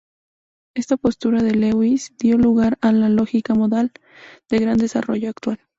Esta postura de Lewis dio lugar a la lógica modal, de gran desarrollo actual.